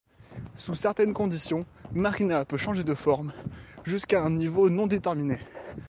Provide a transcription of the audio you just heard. Sous certaines conditions, Marina peut changer de forme jusqu’à un niveau non déterminé.